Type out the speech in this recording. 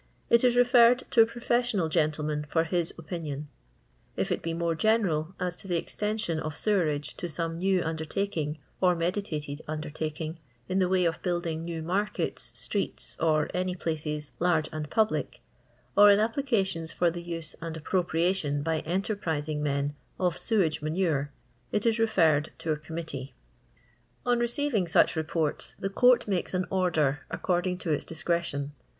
it is referred to a professional gentle man for his opinion ; if it be more genpnil, as to the extejtion of sewerage to some new under taking or mediuited undertaking in the way of building new markets, streets, or any places, large a£(l public ; or in applications for the use and appropriation by enterprisini; men of sewage manure, it is referre<l to a cuuunittee. i}i\ receiving Fiich n>ports the Court makes an order according to its discretion.